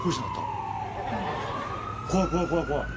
怖い怖い怖い怖い